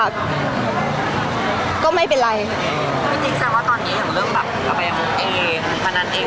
พี่ตอบได้แค่นี้จริงค่ะ